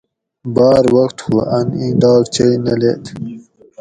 باۤر وخت ہُو اۤن ایں ڈاکچئ نہ لید